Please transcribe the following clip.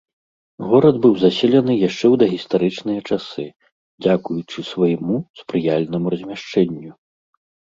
Горад быў заселены яшчэ ў дагістарычныя часы, дзякуючы свайму спрыяльнаму размяшчэнню.